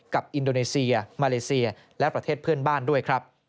อินโดนีเซียมาเลเซียและประเทศเพื่อนบ้านด้วยครับ